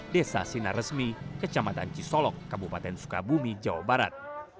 desa sina resmi kecamatan cisolok kabupaten sukabumi jawa barat